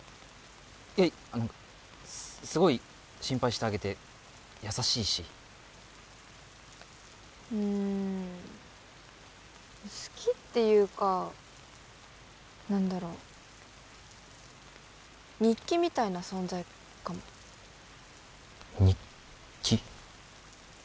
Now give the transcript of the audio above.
いやあのすごい心配してあげて優しいしうん好きっていうか何だろう日記みたいな存在かも日記？